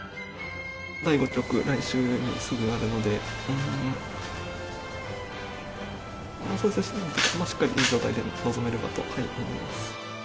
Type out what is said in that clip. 第５局、来週にすぐあるので、しっかりいい状態で臨めればと思います。